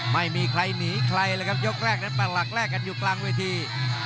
ไม่มีใครหนีใครเลยครับยกแรกนั้นปักหลักแรกกันอยู่กลางเวที